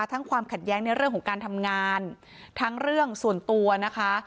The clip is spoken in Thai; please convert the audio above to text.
ความขัดแย้งในเรื่องของการทำงานทั้งเรื่องส่วนตัวนะคะ